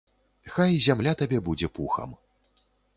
Хай зямля табе будзе пухам.